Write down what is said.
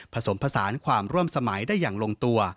ผสมผสานความร่วมสมัยได้อย่างลงตัว